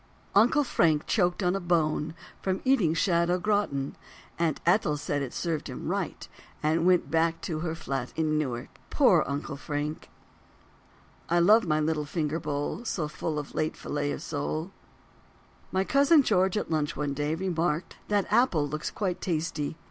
Uncle Frank choked on a bone From eating shad au gratin Aunt Ethel said it served him right And went back to her flat in NEWARK (spoken) Poor Uncle Frank! (chanted) I love my little finger bowl So full of late filet of sole. Cousin George at lunch one day Remarked, "That apple looks quite tasty.